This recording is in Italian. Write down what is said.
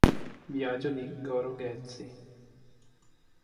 Biagio di Goro Ghezzi